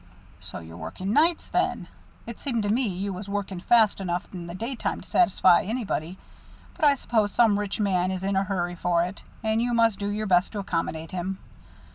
"So you're working nights, then? It seemed to me you was working fast enough in the daytime to satisfy anybody. But I suppose some rich man is in a hurry for it and you must do your best to accommodate him."